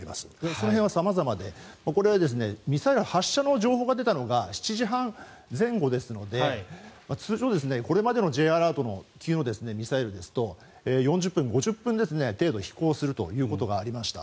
その辺は様々で、これはミサイル発射の情報が出たのが７時半前後ですので通常、これまでのＪアラート級のミサイルですと４０分、５０分程度飛行するということがありました。